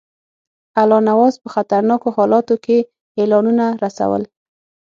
الله نواز په خطرناکو حالاتو کې اعلانونه رسول.